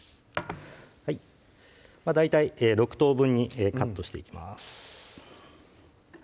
大体６等分にカットしていきます